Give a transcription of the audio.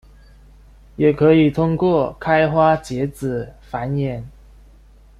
也可以通过开花结籽繁衍。